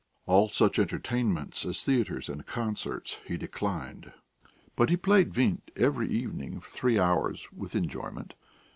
All such entertainments as theatres and concerts he declined, but he played vint every evening for three hours with enjoyment.